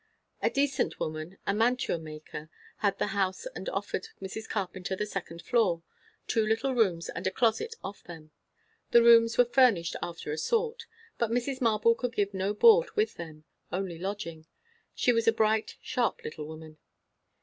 A decent woman, a mantua maker, had the house and offered Mrs. Carpenter the second floor; two little rooms and a closet off them. The rooms were furnished after a sort; but Mrs. Marble could give no board with them; only lodging. She was a bright, sharp little woman.